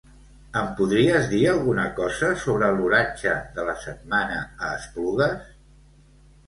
Em podries dir alguna cosa sobre l'oratge de la setmana a Esplugues?